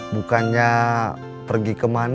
bukannya pergi kemana